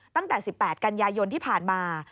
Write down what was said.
ตั้งแต่๑๘กันยายนที่ผ่านมา